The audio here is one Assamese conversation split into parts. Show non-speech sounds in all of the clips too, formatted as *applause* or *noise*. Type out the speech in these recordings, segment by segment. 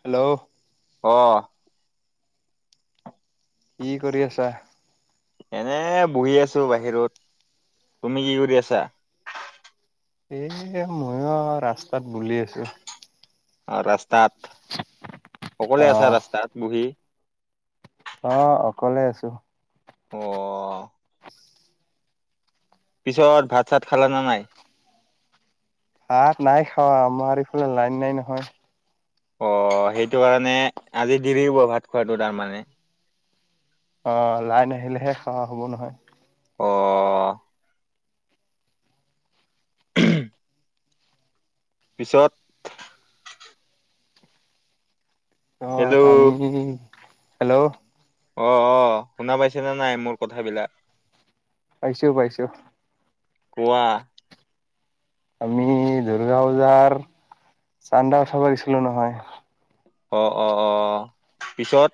হেল্ল', অহ ', কি কৰি আছা? এনে বহি আছো বাহিৰত তুমি কি কৰি আছা? এ ময়ো ৰাস্তাত বলি আছো। অ, ৰাস্তাত সকলোৱে আছো অ', ৰাস্তাত বহি। অ, অকলে আছো। অ', পিছত ভাত চাত খালা ন নাই। ভাত নাই খাৱা আমাৰ এইফালে লাইন নাই নহয়। অ, সেইটো কাৰণে আজি দেৰিওব ভাত খোৱাটো তাৰমানে। অ, লাইনাহিলেহে খাৱা হব নহয়। অ', হম। পিছত হেল্ল' আহ আমি হেল্ল' অ অ শুনা পাইছেনেে নাই মোৰ কথাবিলাক পাইছো পাইছো কোৱা আমি দুৰ্গা পূজাৰ চান্দা উ চাব গৈছিলো নহয় অ অ অ পিছত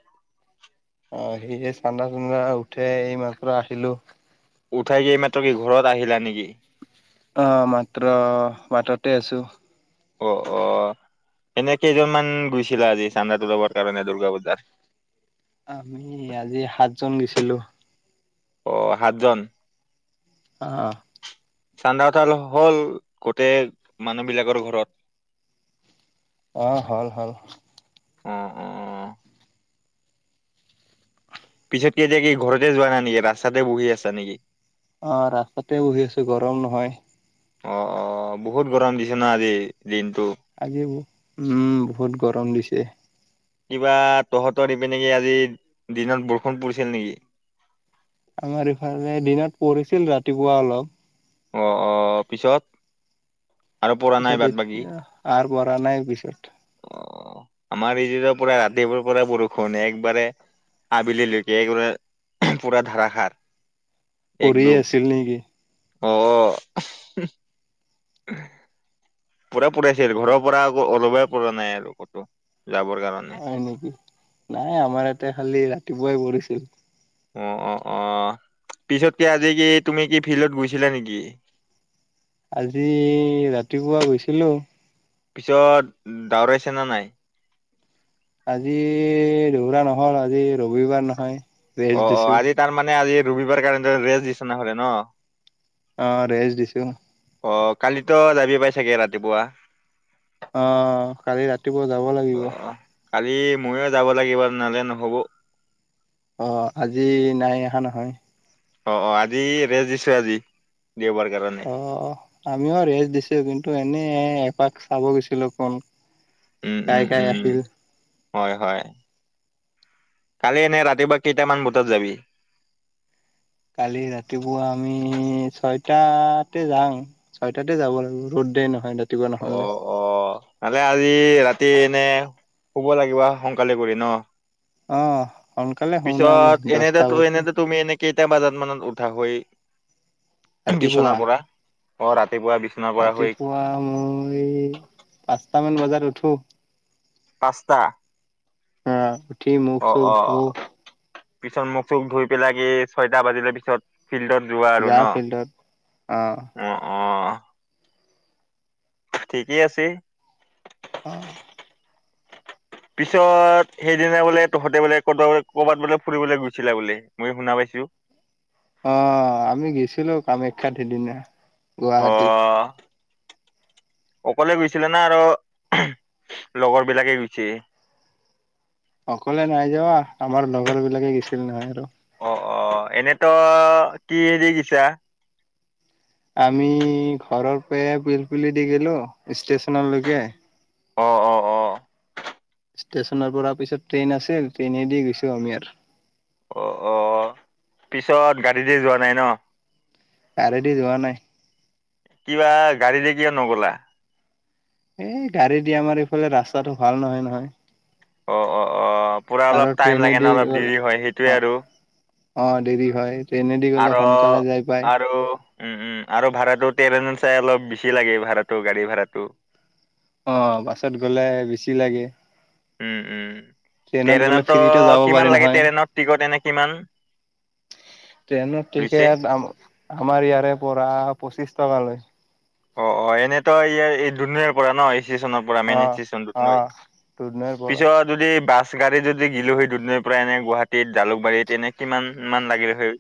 অ সি চান্দা চ্দা উঠে এই মাসৰ আহিলো উঠাই কি মাত্ৰ কি ঘৰত আহিলা নেকি আহ মাত্ৰ বাটতে আছো অ অ এনে কেইজনমান গৈছিলা আজি চান্দাাতটো যাবৰ কাৰণে দূৰ্গা পূজাৰ আমি আজি সাতজন গৈছিলো অ সাতজন অ চান্দাঠাল হ'ল গোটেই মানুহবিলাকৰ ঘৰত অ, হল, হল। উ, উ, অ। পিছত কে এতিয়া কি ঘৰতে যোৱা নাই নেকি ৰাস্তাতে বহি আছা নেকি? অ', ৰাস্তাতে বহি আছো গৰম নহয়। অ, অ, বহুত গৰম দিছে ন? আজি দিনটো। আজি বহুত উম বহুত গৰম দিছে কিবা তহঁতহৰ দিনত বৰষুণ নেকি আজি দিনত বৰষুণ পৰিছিল নেকি? আমাৰ ইফালে দিনত পঢ়িছিল ৰাতিপুৱা অলপ। অ, অ, পিছত আৰু পৰা নাই বাট বাকী। কৰা নাই পিছত। অ, আমাৰ এইফালৰ পৰা ৰাতি পোৱাৰ পৰা বৰষুণ একেবাৰে। আবেলিলৈকে এক পুৰা ধাৰষাৰ পঢ়ি আছিল নেকি? অ, পৰা পঢ়িছিল ঘৰৰ পৰা আকৌ ওলাবই পৰা নাই আৰু কতো। যাবৰ কাৰণে। হয় নেকি নাই আমাৰ ইয়াতে খালি ৰাতিপুৱাই পৰিছিল। অ, অঁ, অঁ। পিছতকে আজি কি তুমি কি ফিল্ডত গৈছিলা নেকি? আজি ৰাতিপুৱা গৈছিলো। পিছত দৌৰাইছে নে নাই? আজি দৌৰা নহল আজি ৰবিবাৰ নহয়। অ, ৰেষ্ট অ, দিছো আজি তাৰ মানে আজি ৰবিবাৰ কাৰণ ৰেষ্ট বিচনা হলে ন। অ, ৰেষ্ট দিছো। অ, কালিতো যাবি পাই চাগে? ৰাতিপুৱা। আহ, কালি ৰাতিপুৱা যাব অ লাগিব। কালি ময়ো যাব লাগিব নহলে নহব। অ, আজি নাই অহা নহয়। অ, অ আজি ৰেষ্ট দিছো আজি। দেওবাৰ কাৰণে অ, আমিও ৰেষ্ট দিছো কিন্তু এনে এপাক চাব গৈছিলো কোন উম, কাই উম, কাই উম, উ, আহিল হয়- হয় কালি এনে ৰাতিপুৱা কেইটামান বুজাত যাবি কালি ৰাতিপুৱা আমি ছয়টাতে যাওঁ ছয়টাতে যাব লাগিব ৰ'দ নহয় ন। অ, অ, আজি ৰাতি এই এনে শুব লাগিব সোনকালে কৰি ন। অহ, পিছত এনেতে এনে তুমি এনে কেইটা বজাত মানত উঠা হৈ ৰাতিপুৱা বিচনাৰ পৰা অ, ৰাতি ৰাতিপুৱা মই পাঁচটামান বজাত উঠো। পাঁচটা অ উঠি মুখ অ অ চুখ পিছত মোক চোক ধুই পেলাই এই ছয়টা বাজিলে পিছত। ফিল্ডত যোৱা আৰু ন? যাওঁ ফিল্ডত অ, অ। ঠিকেই আছে। অ, পিছত সেইদিনা বোলে তহঁতে বোলে ক ক'বাত বোলে ফুৰিবলৈ গৈছিলা বোলে মই শুনা পাইছো। অহ, আমি গৈছিলো কামাখ্যাত সিদিনা অ গুৱাহাটীত। অকলে গৈছিলে না আৰু লগৰ বিলাকে গৈছে? অকলে নাই যোৱা আমাৰ লগৰ বিলাকে গৈছিল নহয় আৰু অ এনেতো কি হেৰি গিছা আমি ঘৰৰ পৰা পিলপুলিদি গলো ষ্টেশচনলৈকে অ অ অ ষ্টেশচনৰ পৰা পিছত ট্ৰেইন আছিল ট্ৰেইনে দি গৈছো আমি আৰু অ অ পিছত গাড়ীতে যোৱা নাই ন গাড়ীদি যোৱা নাই কিবা গাড়ীৰে কিয় নগ'লা এই গাড়ী দি আমাৰ এইফালে ৰাস্তাটো ভাল নহয় নহয় অ অ অ পুৰা আৰু অলপ টাইম লাগে ন ট্ৰেইনেদি অলপ গ'লে দেৰি হয় সেইটোৱে অ আৰু অ দেৰি হয় ট্ৰেইনেদি গলে আৰু সোনকালে যাই পায় আৰু উম উম আৰু ভাড়াটো ট্ৰেইন চাই অলপ বেছি লাগে ভাড়াটো গাড়ী ভাড়াটো অ বাছত গলে বেছি লাগে উম উম ট্ৰেইনত গ'লে ট্ৰনতো ফ্ৰীতে যাব পাৰি কিমান লাগে নহয় ট্ৰেইনত টিকট এনেকে কিমান ট্ৰেইনৰ লৈছে? টিকেট আমাৰ ইয়াৰে পৰা পঁচিশ টকা লয় অ অ এনেইতো ইয়াৰ এই দুুধনৈ পৰা ন ষ্টেচনৰ পৰা মেইন অ ষ্টেচনত অ ন দুধনৈৰ পৰা পিছত যদি বাছ গাড়ী যদি গিলো সেই দুধনৈৰ পৰা এনে গুৱাহাটীত জালুকবাৰীত এনে কিমান মান লাগিলো সেই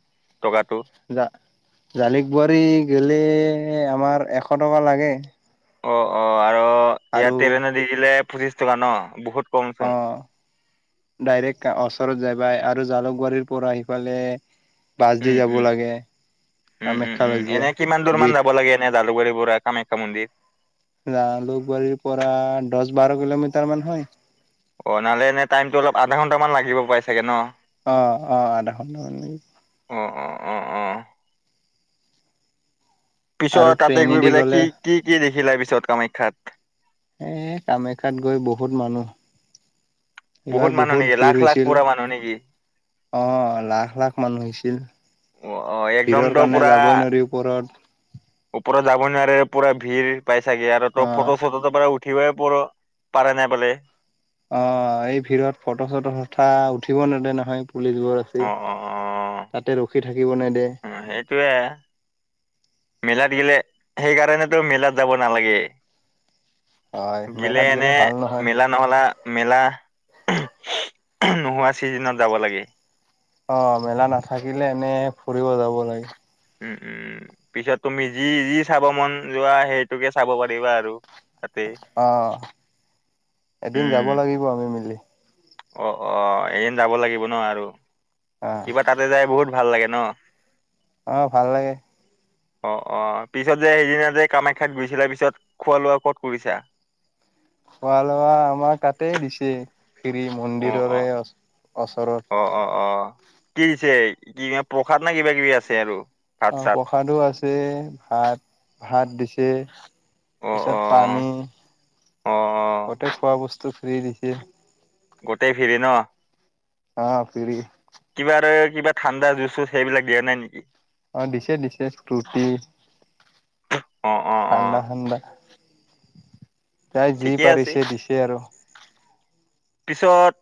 জালুকৱাৰী গলে আমাৰ এশ টকা লাগে অ অ আৰু আৰু ইয়াত তেৰেনে দি দিলে পঁচিশ টকা ন বহুত অ কমচোন ডাইৰেক্ট ওচৰত যাই আৰু জালুক বাৰীৰ পৰা আহিফালে উম উম উম উম উম কামাখ্যালৈকে এনে কিমান দূৰ গেট মান যাব লাগে এনে জালুকবাৰীপৰা কামাখ্যা মন্দিৰ জালুকবাৰীৰ পৰা দহ বাৰ কিলোমিটাৰ মান হয় অ নাললে এনে টাইমতটো অলপ আধা ঘণ্টামান লাগিব পাই চাগে ন অ অ আধা ঘণ্টা মান ল অ অ অ অ পিছত আৰু তাতে গৈ ট্ৰেইনেদি পেলাই কি গ'লে কি কি দেখিলে পিছত কামাখ্যাত এ কামাখ্যাত গৈ বহুত মানুহ এইবাৰ মানুহ বহুত নেকি লাখ ভিৰ লাখ হৈছিল পুৰা মানুহ নেকি অ লাখ লাখ মানুহ হৈছিল অ অ ভিৰৰ একদমতো কাৰণে পুৰা যাবই নোৱাৰি ওপৰত ওপৰত যাব নোৱাৰে পুৰা ভিৰ পাই চাগে আৰু অ তোৰ ফটো চটো ত পৰা উঠিবাই প পাৰা নাই বোলে অ এই ভিৰত ফটো চটো উথা উঠিব নেদে নহয় পুলিচবোৰ আছে অ অ অ তাতে ৰখি থাকিব নেদিয়ে। অ, সেইটোৱে। মেলাত গিলে সেইকাৰণেতো মেলাত যাব নালাগে। হয় গিলে মেলাত এনে গ'লে ভাল নহয় মেলা নহলা মেলা নোহোৱা চিজনিনত যাব লাগে। অ, মেলা নাথাকিলে এনে ফুৰিব যাব লাগে। উম - উম পিছত তুমি যি - যি চাব মন যোৱা সেইটোকে চাব পাৰিবা আৰু। তাতে অ, এদিন যাব উম লাগিব আমি মিলি। অ - অ এদিন যাব লাগিব ন আৰু অ কিবা তাতে যাই বহুত ভাল লাগে ন। আহ, ভাল লাগে। অ - অ পিছত যে সেইদিনা যে কামাখ্যাত গুৈছিলা পিছত খোৱা লোৱা ক'ত কৰিছা। খোৱা লোৱা আমাৰ তাতে দিছে। ফ্ৰী অ অ মন্দিৰৰে অ ওচৰত। অ অ কি দিছে ক প্ৰসাদ নে কিবা কিবি আছে আৰু। ভাত অ, চাত প্ৰসাদো আছে ভাত-ভাত দিছে। অ পিছত অ পানী অ অ গতে খোৱা বস্তু খ্ৰী দিছি। গোটেই ফিৰি ন। অ, ফ্ৰৰি। কিবা-কিবা ঠাণ্ডা জুচ চুচ সেইবিলাক দিয়া নাই নেকি? অ, দিছে - দিছে ফ্টোতি। অ অ অ ঠাণ্ডা-ঠাণ্ডা। তাই যি ঠিকে আছে পাৰিছে দিছে আৰু। পিছত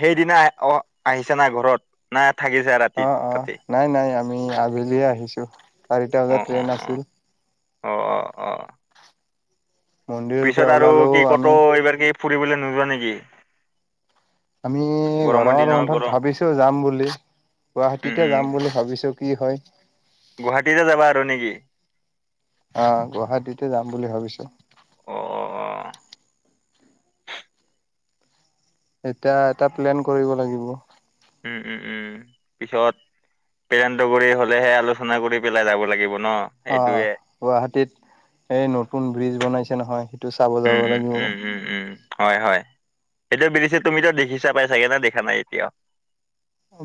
সেইদিনা অহ, আহিছে না ঘৰত না থাকিছা ৰাতি অ-অ তাতে নাই-নাই আমি আবেলিয়ে আহিছো চাৰিটা বজাত ট্ৰেইন আছিল। অ-অ-অ। মন্দিৰৰ পৰা পিছত আৰু ওলালো কি আমি কত এইবাৰ কি ফুৰিবলৈ নোযোৱা নেকি? আমি গৰমৰ দিনৰ বন্ধত গৰম ভাবিছো যাম বুলি। উম গুৱাহাটীতে উম যাম বুলি ভাবিছো কি হয়। গুৱাহাটীতে যাবা আৰু নেকি? অহ, গুৱাহাটীতে যাম বুলি ভাবিছো। অ অ অ এতিয়া এটা প্লেন কৰিব লাগিব। উম-উম-উম পিছত পেৰেণ্ডগৰ হলেহে আলোচনা কৰি পেলাই যাব লাগিব। ন অ, সেইটোয়ে গুৱাহাটীত এই নতুন ব্ৰিজ বনাইছে নহয়। চাব যাব লাগিব উম-উম-উম-উম-উম- উম। হয়-হয় সেইটোয়া বিছে তুমিতো দেখিছা পাই চাগে ন দেখা নাই এতিয়াও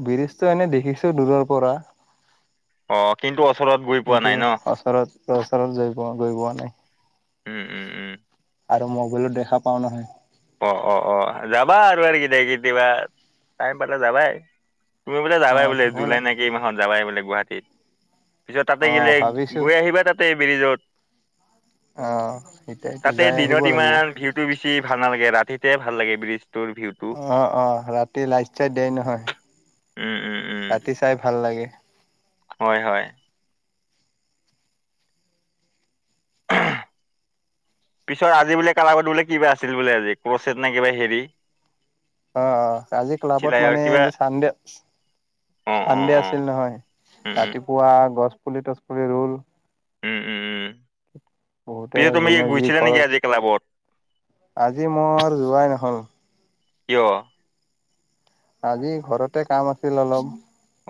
বৰিজটো এনে দেখিছো দূৰৰ পৰা অ কিন্তু ওচৰত গৈ পোৱা কিন্তু নাই ন ওচৰতওচৰত গাই পোৱা গৈ পোৱা নাই। উম-উম-উম। আৰু মবাইলো দেখা পাওঁ নহয়। অ-অ-অ যাবা আৰু আৰু কেইদ কে দয়িবা টাইম পাতা যাবাই তুমি বোলে অ যাবাই বোলে যাব জুলাই লাগ নেকি এই মাহত যাবাই বোলে গুৱাহাটীত পিছত তাতে অ গলে ভাবিছো গৈ আহিবা তাতে ব্ৰিজত অ এতিয়াতো তাতে যাই আহিব দিনত লাগিব ইমান ভিৰটো বি টি ভাল নালাগে ৰাতিতে ভাল লাগে ব্ৰীজ। অ-অ ৰাতি লষ্ট চাই দিয়াই নহয়। উম উম ৰাতি চাই ভাল লাগে। হয়-হয়। *inaudible* পিছৰ আজি বোলে কাগত বোলে কিবা আছিল বোলে। আজি কচছ নে কিবা হেৰি অ' অ', আজি ক্লাবত চিলাইৰ মানে কিবা যে চানডে অ অ চানডে অ আছিল নহয়, উম উম ৰাতিপুৱা গছপুলি তছপুলি ৰুল উম উম উম। বহুতে পিছে তুমি জোনে যি গৈছিলা নেকি কৰক, আজি ক্লাবত আজি মোৰ যোৱাই নহ'ল কিয়? আজি ঘৰতে কাম আছিল অলপ।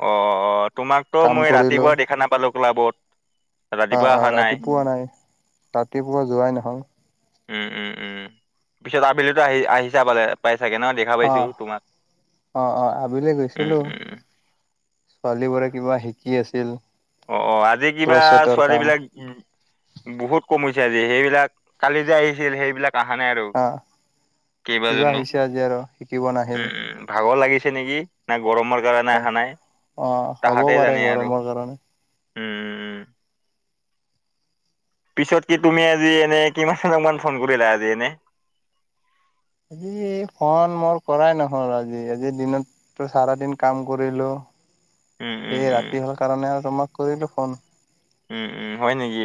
অ' অ', তোমাকতো কাম মই কৰিলো ৰাতিপুৱা দেখা নাপালো ক্লাবত। অ' ৰাতিপুৱা অ', অহা নাই ৰাতিপুৱা নাই, ৰাতিপুৱা যোৱাই নহ'ল। উম উম উম, পিছত আবেলিটো আহি-আহিছা পালে-পাই অ', অ' অ', আবেলি উম গৈছিলো। উম উম। ছোৱালী বোৰে কিবা শিকি আছিল। অ' অ', আজি কিবা ক্ৰচেটৰ ছোৱালী কাম বিলাক বহুত কমিছ ছে আজি, সেইবিলাক কালি যে আহিছিল সেইবিলাক আহা নাই আৰু, অ কিবা কেইবাজনো, হৈছে আজি আৰু শিকিব নাহিল উম উম, ভাগৰ লাগিছ নেকি, না গৰমৰ কাৰণে অ অহা নাই, অ হ'ব তাহাঁতেহে পাৰে জানে আৰু গৰমৰ কাৰণে উম। পিছত কি তুমি আজি এনে কিমানজন মান ফোন কৰিলা আজি এনে? আজি ফন মোৰ কৰাই নহ'ল আজি, আজি দিনতটো চাৰা দিন কাম কৰিলো। উম উম এই উম ৰাতি হোৱাৰ কাৰণে আৰু তোমাক কৰিলো ফোন। উম উম, হয় নেকি,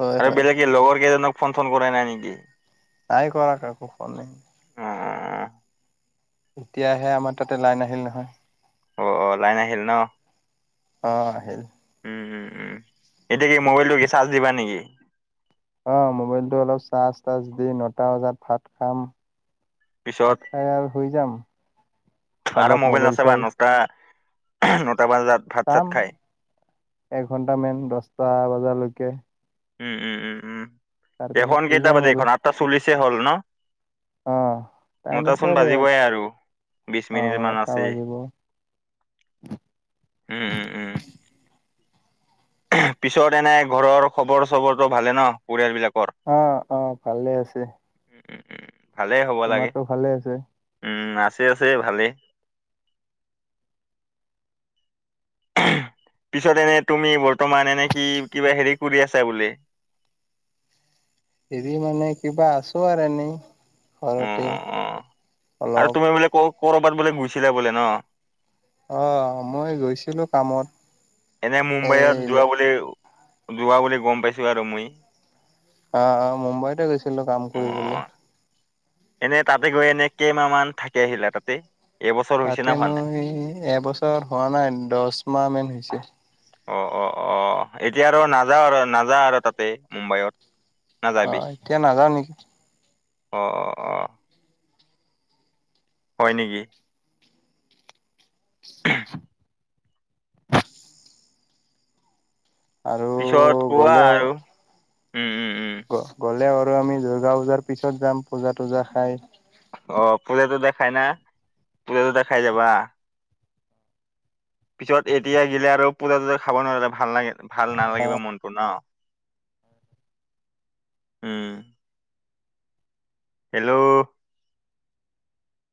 হয় আৰু হয় বেলেগ কি লগৰ কেইজনক ফন চন কৰাই নাই নেকি? নাই কৰা কাকো ফনেই। অ এতিয়াহে আমাৰ তাতে লাইন আহিল নহয়। অ' অ', লাইন আহিল ন? অ', আহিল। উম উম, এতিয়া কি মোবাইলটো কি চাৰ্জ দিবা নেকি? অ', মোবাইলটো অলপ চাৰ্জ-তাৰ্জ দি নটা বজাত ভাত খাম। পিছত ভাত খাই আৰু শুই যাম। আৰু অলপ মোবাইল নাচাবা চাই নটা, নটা বজাত ভাত চাত চাম খাই এঘন্টামান, দছটা বজালৈকে উম উম উম উম, তাৰপিছত এখন শুই কেইটা যাম আৰু বাজি-এখন আঠটা চল্লিশে হ'ল ন? অ' টাইম আছে নটাচোন আৰু এক বাজিবয়ে আৰু। বিছি মিনিট অ' মান নটা আছে, বাজিব অ' উম উম উম। পিছত এনে ঘৰৰ খবৰ চবৰো ভালে ন, পৰিয়াল বিলাক অ', অ', ভালে আছে। উম উম উম ভালেই হ'ব লাগে, তোমাৰতো ভালে আছে। উম আ আছে আছে, ভালেই। পিছত এনে তুমি বৰ্তমান এনে কি কিবা হেৰি কৰি আছা বোলে। হেৰি মানে কিবা আছো আৰু এনেই। অ ঘৰতে, অ অ আৰু অলপ তুমি বোলে ক কৰ'বাত বোলে গৈছিলা বোলে ন? অ', মই গৈছিলো কামত। এনে মুম্বায়ত এই যোৱা বুলি, যোৱা বুলি গম পাইছো আৰু মই। অ', অ', মুম্বাইতে গৈছিলো কাম অ কৰিবলে। এনে তাতে গৈ এনে কেইমাহ মান থাকি আহিলা তাতে? এবছৰ হৈছে না তাতে হোৱা নাই মই এবছৰত হোৱা নাই, দছ মাহ মান হৈছে। অ', অ', অ', এতিয়া আৰু নাযাৱ আৰু নাযাৱ আৰু তাতে, মুম্বায়ত? অ', এতিয়া নাযাৱ নেকি? অ', অ', অ'। হয় নেকি? আৰু পিছত কোৱা গ'লেও আৰু উম উম। উম গ'লেও আৰু আমি দুৰ্গা পূজাৰ পিছত যাম পূজা তুজা খাই। অ পূজা তুজা দেখাই না পূজাটো দেখাই যাবা। পিছত এতিয়া গিলে আৰু পূজা টুজা খাব নোৱাৰিলে ভাল অ নালাগিব মনতটো নহ। উম। হেল্ল'।